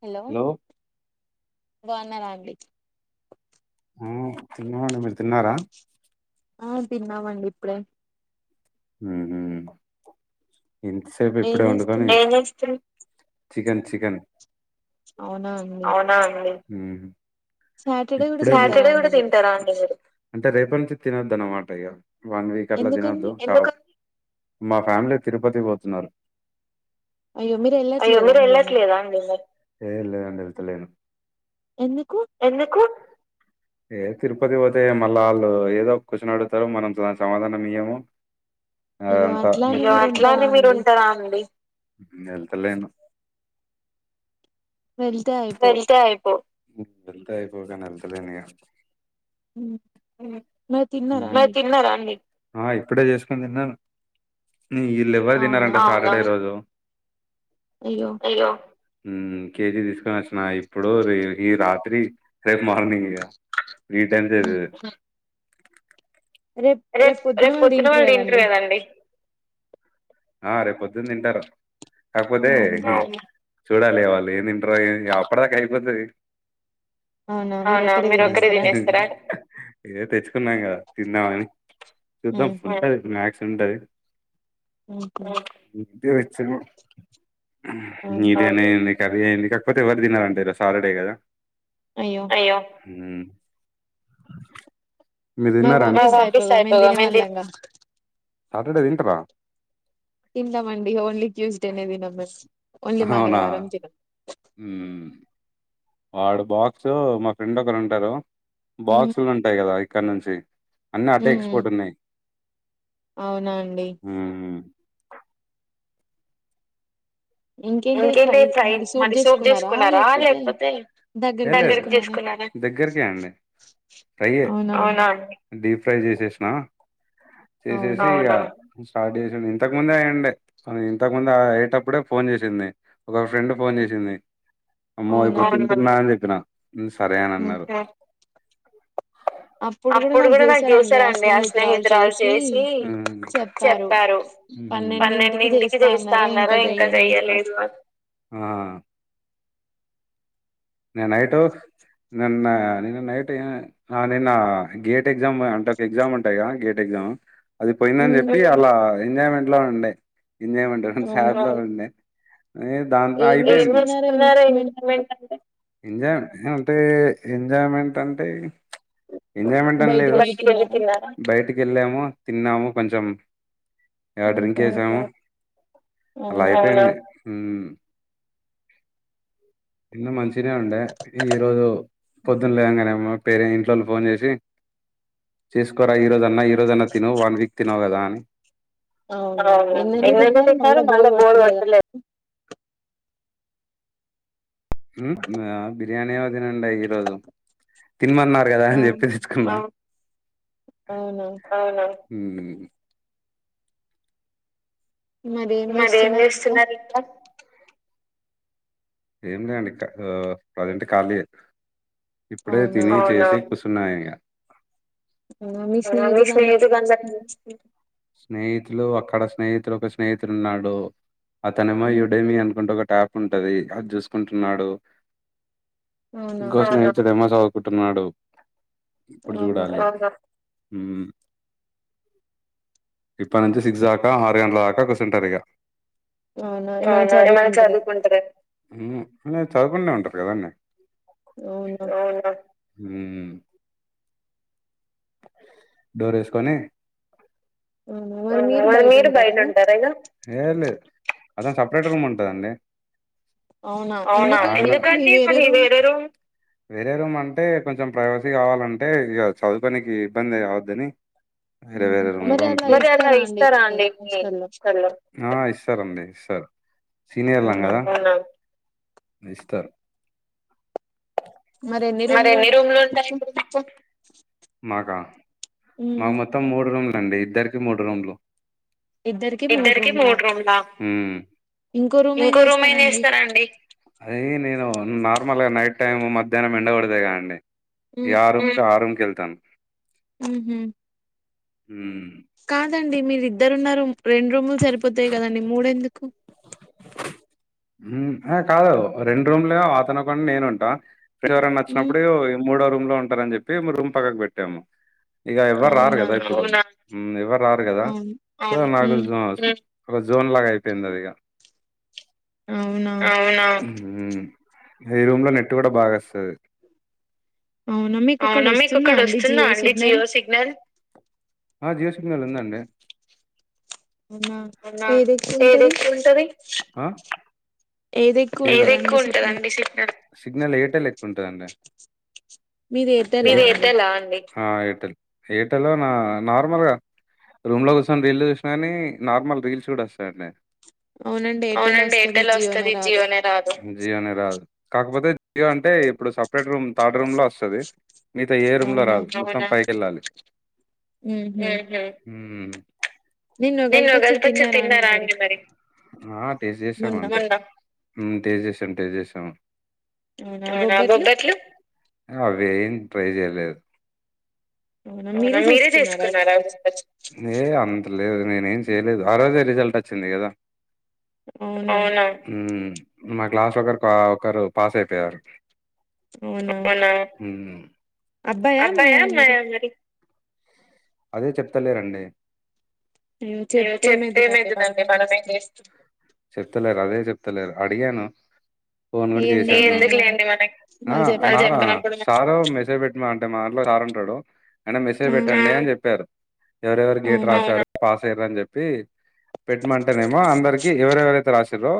ఆ హలో బాగున్నారా అండి మ్మ్ తిన్నామండి మీరు తిన్నారా ఆ తిన్నామండి ఇప్పుడే ఉమ్మ్ ఇంతసేపు ఇప్పుడే వండుకోని చికెన్ చికెన్ అవునా అండి హ ఇప్పుడే. సాటర్డే కూడా తింటారా అండి మీరు అంటే రేపట్నుంచి తినోదన్నమాట ఇగా వన్ వీక్ అట్లా తినొద్దు మా ఫ్యామిలీ తిరుపతి పోతున్నారు అయ్యో మీరు వెళ్ళట్లేదా అండి మరి లేను ఎందుకు ఏ తిరుపతి పోతే మళ్ళా వాళ్ళు ఏదో క్వశ్చన్ అడుగుతారు మనం అన్స్ అది అంత. ఇగా అట్లాని మీరు ఉంటారా అండి వెళ్తలేను వెళ్తే అయిపో ఉ వెళ్లి అయిపోగానే వెళ్తలేమిగ మా తిన్నారా అండి ఆ ఇప్పుడే చేసుకొని తిన్నాను ను వీళ్ళు ఎవరు తినరండి సాటర్డే రోజు అయ్యో కేజీ తీసుకొని వచ్చిన ఇప్పుడు ఈ రాత్రి రేపు మార్నింగ్ ఇగా ఫ్రీ టైమ్ చేదు రేపు రేపు పొద్దున మీర్ తింటారు కదా అండి ఆ రేపు పొద్దున తింటారు అప్పుడే చూడాలి వాళ్ళు ఏం తింటారో ఎం అప్ అప్పటివరకు అయిపోతాది అవునా మీరు ఒక్కరే తినేస్తారా. ఇగో తెచ్చుకునంగా తిన్నాం సిగ్నల్స్ స్కిప్ అయితుందా [unintelligible] ఓ ఏ చము మీదైనా అయింది కర్రీ అయింది కాకపోతే ఎవరు తినరంట సాటర్డే కదా అయ్యో మ్మ్ మీరు తిన్నారా అండి పంపిస్తే అయిపోగా మంచిగా సాటర్డే తింటారా తింటామండి ఓన్లీ ట్యూస్డే నే తినము మేము ఓన్లీ మంగళవారం చికెన్ ఉమ్మ్ వాడు బాక్స్ మా ఫ్రెండ్ ఒకడు ఉంటాడు బాక్సులు ఉంటాయి కదా అవి పెళ్ళాం సాయి అన్ని ఆటో ఎక్స్పోర్ట్ ఉన్నాయి ఉమ్మ్ లే దగ్గరికే అండి ఫ్రై డీప్ ఫ్రై చేసేసిన చేసేసి స్టార్ట్ చేసి ఇంతకు ముందే అయ్యుండే ఇంతకు ముందు అయ్యేటప్పుడే ఫోన్ చేసి తింది ఒక ఫ్రెండ్ ఫోన్ చేసింది అమ్మ [unintelligible] అని చేపిన సరే అని అన్నారు అప్పుడు కూడా నాకు చేసారండి ఆ స్నేహితురాలు చేసి చెప్పారు పన్నెండింటికి చేస్తా అన్నారు ఇంకా చెయ్య ఆ నిన్న నైట్ నిన్న నిన్న నైట్ నిన్న గేట్ ఎగ్జామ్ అంటే ఒక ఎగ్జామ్ ఉంటాయి గా గేట్ ఎగ్జామ్ అది పోయిందని చెప్పి అలా ఎంజాయ్మెంట్ లో ఉండే ఇన్నేమంటనో సానారోజున్నాయ్ ఏ దాంతో అయిపోయింది ఏం జేసుకున్నారు ఇంప్రూవ్మెంట్ అంటే ఎంజాయ్ అంటే ఎంజాయ్మెంట్ అంటే ఎంజాయ్మెంట్ అని లేదు బయటి కెళ్ళాము తిన్నాము కొంచెం ఏవో డ్రింకేసాము అలా అయిపోయింది ఉ ఎన్న మంచి చన ఉండే ఈరోజు పొద్దున్న లేంగానే పేరే ఇంట్లోళు ఫోన్ జేసి చేసుకోరా ఈరోజు అన్నా ఈరోజన్నా తిను వన్ వీక్ తినవు కదా అని అవును ఎన్నన్ని తిన్నారు మళ్ళా బోర్ గొడతలేదా మీకు బిర్యానీ నండి ఈరోజు తినమన్నారు గదా అని జెప్పి తెచ్చకున్నాాం అవునా ఉ మరి ఏం జేస్తున్నారింకా ఏమ్ లేదండి ప్రజెంట్ ఖాళీయే ఇప్పుడే తిని చేసి కు న్నాయిగ ఆ మీ స్నేహితులందరు ఏమి స్నేహితులు అక్కడ స్నేహితులు ఒక స్నేహితుడున్నాడు అతనేమొ యుడే మీ అనుకుంటా ట్యాప్ ఉంటది అది జూసుకుంటున్నాడు ఇంకొకతను కుంటున్నాడు ఇప్పుడు జూడాలి ఉ ఇప్పనించి సిక్స్ దాక ఆరుగంట్లదాకా కుసుంటరిగ అవునా ఏమైనా చదువుకుంట రండి ఊహు నే చదువుకునే ఉంటాన్ కదండి అవునా మ్ డోర్ యేసుకొని అవునా మరి మీరు బయటుంటరిగ హేలే అది సప్రేట్ రూమ్ ఉంటదండి అవునా ఎందుకండి మరి వేరే రూమ్ వేరే రూమ్ అంటే కొంచెం ప్రైవసీ గావాలంటే ఇగ చదువు కోనికి ఇబ్బంది కావద్దని వేరే వేరే రూమ్ లో ఉంట మరి అలా ఇస్తారా అండి మీ హాస్టల్లో. ఆ ఇస్తారండి ఇస్తరు సీనియర్లు కదా ఇస్తరు మరి ఎన్ని రూమ్లు ఉంటాయి ఇప్పుడు మీకు, నాకా నాకు మొత్తం మూడు రూమ్లు అండి ఇద్దరు మూడు రూమ్లు ఇద్దరికి మూడు రూమ్లా ఇంకో రూమ్ ఏం చేస్తారండి, అది నేను నాకు మల్ల నైట్ టైం మధ్యాహ్నం ఎండ కొడతది కదా అండి య రూమ్స్ ఆ రూమ్ కే కెళ్తాను ఉమ్మ్మ్ ఉమ్మ్ కాదండి మీరు ఇద్దరు ఉన్నారు రెండు రూమ్లు సరిపోతాయి కదండి మూడెందుకు మ్మ్ ఆ కాదు రెండు రూమ్లు అతనితో నేను ఉంటా మరి ఎవరన్నా నచ్చినప్పుడు మూడో రూమ్ లో ఉంటారని చెప్పి క్లీనునా రూమ్ పక్కకు పెట్టాము ఇగా ఎవ్వరు రారు కదా మ్మ్ ఇవ రారు కదా సో నాకు అడ జోన్ లాగా అయిపోయింది ఇగా అవునా మ్మ్ ఈ రూమ్ లో నెట్ కూడా బాగా ఒస్తది అవునా మీకు అక్కడ వస్తుందా అండి జియో సిగ్నల్ ఆ జియో సిగ్నల్ ఉందండి అవునా ఏది ఎక్కువ ఉంటది ఏది ఎక్కువ ఉంటదండి సిగ్నల్, సిగ్నల్ ఏటల్ ఎక్కువ ఉంటదండి మీది ఎయిర్టెల్ ఆ అండి ఆ ఎయిర్టెల్ ఎయిర్టెల్ నా నార్మల్గా రూమ్ లో కూసోని రీల్ చూసిన కాని నార్మల్ రీల్స్ కూడా వస్తాయండి అవునండి ఏర్టెలే వస్తుంది జియోనె రా జియోనే రాదు జియ నే రాదు కాకపోతే జియో అంటే ఇప్పుడు సప్రేట్ రూమ్ థర్డ్ రూమ్ లో వస్తుది మిగతా ఏ రూమ్ లో రాదు మొత్తం పైకెళ్ళాలి హ్మ్ నిన్న ఉగాది పచ్చడ తిన్నారా అండి మరి. ఆ టేస్ట్ చేసామండి మ్మ్ టేస్ట్ చేసాం టేస్ట్ చేసాం అవునా, బొబట్లు? అవీ ట్రై చేయలేదు అవునా మీరే చేసుకున్నారా కొనుకొచ్చి ఏ అంతలేదు నేనేం చేయలేదు ఆ రోజే రిజల్ రిజల్టొచ్చింది కదా అవునా ఉమ్మ్చ్ మా క్లాస్ లొకరు పా ఒకరు పాస్ అయిపోయారు అవునా ఉమ్మ్మ్ అబ్బాయా అమ్మాయా మరి అదే చెప్తలేరండి ఏ చెప్తేమైతదండీ మనమేం చేస్త చెప్తలేరు అదే చెప్ ప్తలేరు అడిగాను ఫోన్ కూడా చేసాను ఆ సారూ మెసేజ్ పెట్మంటే మా లో సార్ ఉంటడు ఆయన మెసేజ్ పెట్టండి అని చెప్పారు ఎవరెవరు గేట్ రాసారు పాస్ రని చెప్పి పెట్మంటేనేమో అందరికి ఎవరెవరైతే రాసిరో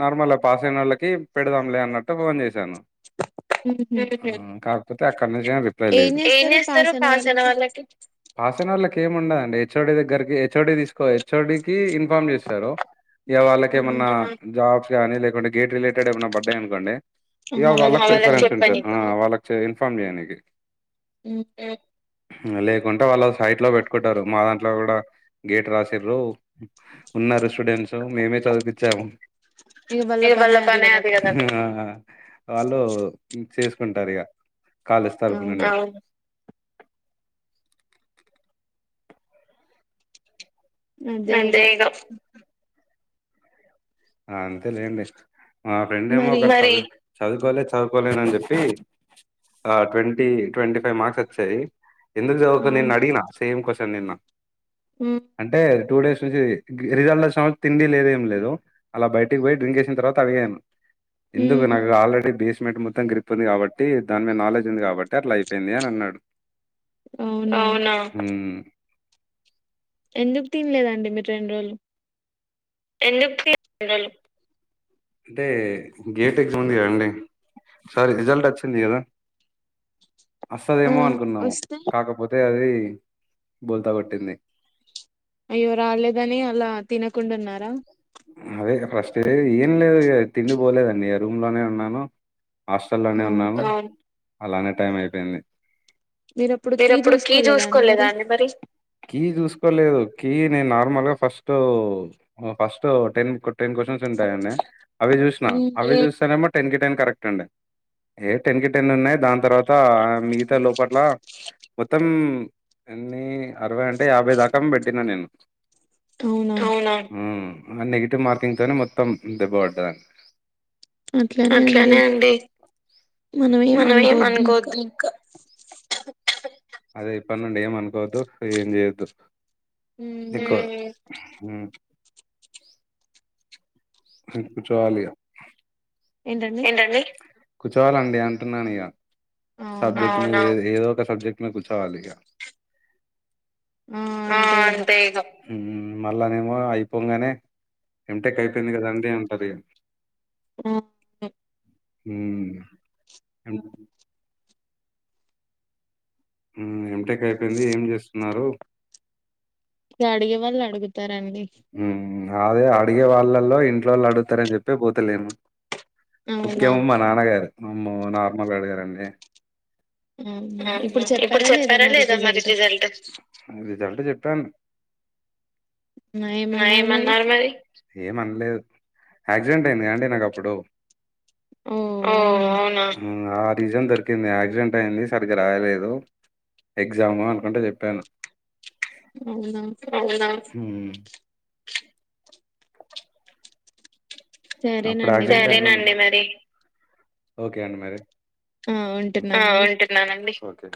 నార్మల పాస్ అయినోళ్ళకి పెడదాంలే అన్నట్టు ఫోన్ చేశాను ఊహు థక్ అందుకే రిప్లై లేదు పాసయిన వాళ్ళ కేం ఉండదండి ఎచ్ఓడి దగ్గరకి ఎచ్ఓడి తీసుకో ఎచ్ఓడికి ఇన్ఫామ్ చేస్తరు ఇగ వాళ్ళకెమన్నా షాప్స్ గాని లేకుంటె గెట్ రిలేటెడ్ ఏమన్న బర్డే అనుకోండి ఇగ వాళ్ళ ఆ వాళ్ళక్ చే ఇన్ఫామ్ చేయండి లేకుంటే వాళ్ళు సైట్ లో పెట్టుకుంటరు మా దాంట్లో కూడా గేట్ రాసిర్రు, ఉన్నరు స్టుడెంట్స్ మేమే చదిపించాము. ఏ వాళ్ళ పనే అది గదా చేసుకుంటారు ఇగ కాలేజీ తరుపున అ అంతే ఇగ అ అంతే లేండి అ రెండేమో ఒక్క సారి చదువుకోలే చదువుకోలేనని చెప్పి ఆ ట్వంటీ ట్వంటీ ఫైవ్ మార్క్స్ వచ్చాయి ఎందుకు చదువు కొలె నేను అడిగిన సేమ్ క్వశ్చన్ నిన్న అంటే టూ డేస్ నుంచి రిజల్ట్ వచ్చినప్పుడ్ తిండి లేదేం లేదు అల బయటికి పోయి డ్రింక్ చేసిన తర్వాత అడిగాను ఇందుకు నాక్ ఆల్రెడీ బీస్ మీకు మొత్తం గ్రిప్ ఉంది కాబట్టి దాన్ మీద నాలెడ్జ్ ఉంది కాబట్టి అట్ల అయిపోయింది అని అన్నాడు అవున ఎందుక్ తిన్లేదండి మీర్ రెండు రోజులు అంటే గేట్ ఎక్జామ్ ఉంది కదండి స్వారీ రిజల్ట్ వచ్చింది కదా వస్తాదేమో అనుకున్నాము కాకపోతె అది గి బోల్తా కొట్టింది అయ్యో రాలేదని అలా తినకుండున్నార అదే ఇగ ఫస్టె ఏం లేదుగ తిండి పోలేదండి ఆ రూమ్ లోనే ఉన్నాను హాస్టల్ల్లోనే ఉన్నావ్ అలానే టైం అయిపోయింది మీరప్పుడు కీ చూసుకోలేద మరి కి నేన్ నార్మల్గ ఫస్టు ఫస్ టు టెన్ కొ టెన్ క్వషన్స్ ఉంటాయండి అవి చూసినా అవి చూస్తేనేమో టెన్ కి టెన్ కరెక్ట్ అండి ఏ టెన్ కి టెన్ ఉన్నాయి దాని తర్వతా మిగతా లోపట్లా మొత్తం ఎన్ని అరవై అంటే యాభై దాకం పెట్టినా నేను అవున హ నెగిటివ్ మార్కింగ్ తోనె మొత్తం దెబ్బ పడ్డదండి అట్లానే అండి మనమే మన కోద్దు ఇంకా అదే ఇప్పట్ నుండి ఏమ్ అనుకోవద్దు ఏం చేయొద్దు ఊహు హుమ్ హ్మ్ కూర్చోవాలిక ఏంటండి కూర్చోవాలండి అంటున్నాను ఇగ అవునా సబ్జెక్ట్ మీద కూర్చోవాలిగా ఆ అంతే ఇగ హు హూ మళ్ళానేమో అయిపోగానే ఎంటెక్ అయిపోయింది కదండి అంటారిగ ఆ ఊ ఎమ్ హు ఎంటెక్ అయిపోంది ఏమ్ చేస్ న్నారు అడిగే వాళ్ళు అడుగు త్తారండి అదే అడిగే వాళ్ళల్లో ఇంట్లోవాళ్లు అడుగుతారని చెప్పే పోతాలేను ముఖ్యం మా నాన్నగారు అమ్మో నార్మల్ గా అడగరండి అవునా ఇప్పుడు చెప్పారా లేదా మరి రిజల్ట్ టన్ ఏమన్నారు మరి ఏమనలేదు యాక్సిడెంట్ అయింది అండి నాకు అప్పుడు ఓ అవునా హు ఆ రీజన్ దొరికింది యాక్సిడెంట్ అయింది సరిగ్గా రాయలేదు ఎగ్జాము అనుకుంట చెప్పాను అవునా హు అప్పుడు సరేనండి మరి ఓకే అండి మరి ఆ ఉంటున్నానండి ఒకే